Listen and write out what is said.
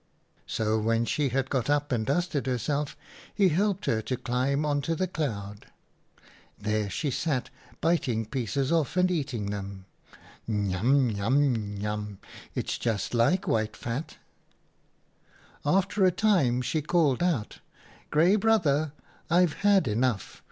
" So when she had got up and dusted her self, he helped her to climb on to the cloud. There she sat, biting pieces off and eating them, ' N yum, n yum, n yum, it's just like white fat!' WHY THE HYENA IS LAME 45 " After a time she called out, * Grey Brother, I've had enough.